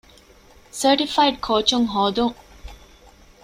ސާޓިފައިޑް ކޯޗުން ހޯދުން